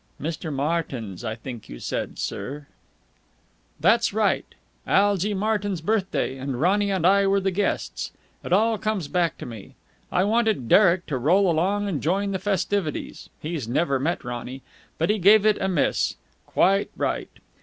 "Mr. Martyn's, I think you said, sir." "That's right. Algy Martyn's birthday, and Ronny and I were the guests. It all comes back to me. I wanted Derek to roll along and join the festivities he's never met Ronny but he gave it a miss. Quite right!